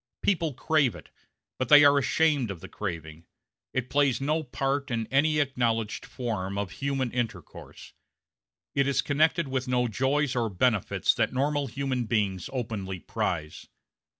People crave it, but they are ashamed of the craving. It plays no part in any acknowledged form of human intercourse; it is connected with no joys or benefits that normal human beings openly prize.